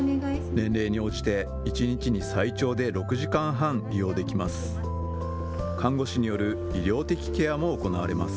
年齢に応じて一日に最長で６時間半、利用できます。